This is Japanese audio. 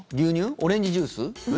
オレンジジュース？